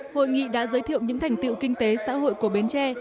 hội nghị đã giới thiệu những thành tựu kinh tế xã hội của bến tre